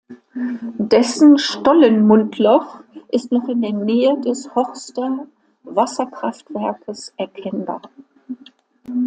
Dessen Stollenmundloch ist noch in der Nähe des Horster Wasserkraftwerkes erkennbar.